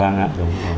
vâng ạ đúng rồi